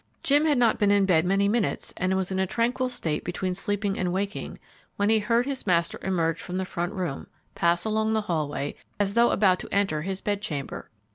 Jim had not been in bed many minutes and was in a tranquil state between sleeping and waking, when he heard his master emerge from the front room, and pass along the hallway, as though about to enter his bed chamber.